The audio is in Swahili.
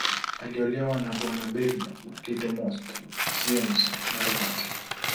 Aliolewa na Bernow, Lindström, Ziems, na Renat.